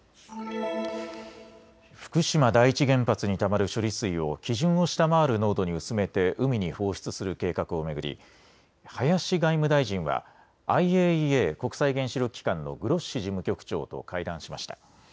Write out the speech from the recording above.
福島第一原発にたまる処理水を基準を下回る濃度に薄めて海に放出する計画を巡り林外務大臣はＩＡＥＡ・国際原子力機関のグロッシ事務局長と会談しました。